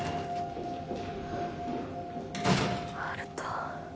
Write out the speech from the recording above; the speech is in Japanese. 温人